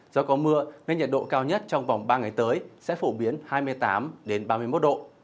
do có mưa nên nhiệt độ cao nhất trong vòng ba ngày tới sẽ phổ biến hai mươi tám ba mươi một độ